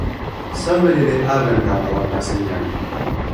soweli li awen tawa lon nasin jan.